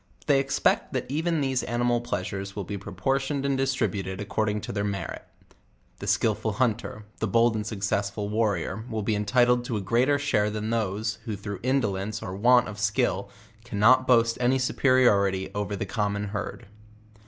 But they expect tha', even these animal pleasures will be proportioned and distri buted according to their merit; the skillful hunter, the bold and successful warrior, \v ill be entitled to a greater share than those who through indolence or want of skill cannot boast of any superiority over the common herd.